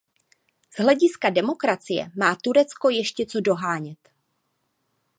Z hlediska demokracie má Turecko ještě co dohánět.